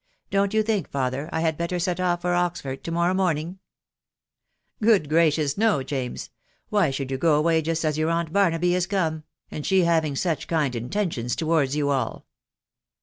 Don't you think, father, I had better set off for Oxford to morrow morning ?"" Good gracious ! no, James. ... Why should you go away just as your aunt Btrnaby is come, and she having such kind intentions towards you all